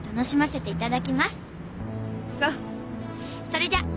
それじゃ！